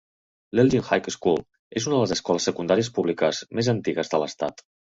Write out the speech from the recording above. L'Elgin High School és una de les escoles secundàries públiques més antigues de l'estat.